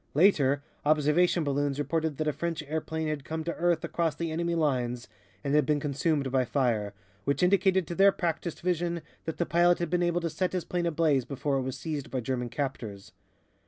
Later, observation balloons reported that a French airplane had come to earth across the enemy lines and had been consumed by fire, which indicated to their practised vision that the pilot had been able to set his plane ablaze before it was seized by German captors.